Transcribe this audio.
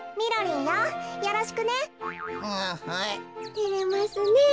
てれますねえ。